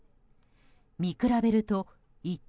見比べると１等